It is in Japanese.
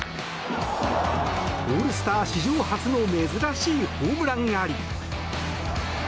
オールスター史上初の珍しいホームランあり。